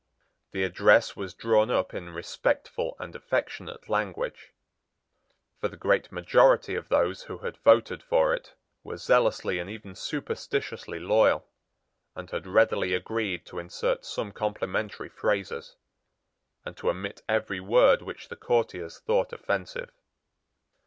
The address was drawn up in respectful and affectionate language; for the great majority of those who had voted for it were zealously and even superstitiously loyal, and had readily agreed to insert some complimentary phrases, and to omit every word which the courtiers thought offensive.